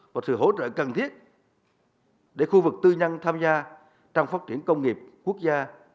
và sự hỗ trợ cần thiết để khu vực tư nhân tham gia trong phát triển công nghiệp quốc gia